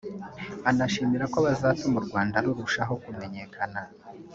anishimira ko bazatuma u Rwanda rurushaho kumenyekana